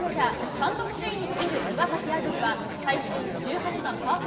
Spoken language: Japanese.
単独首位につける岩崎亜久竜は最終１８番パー５。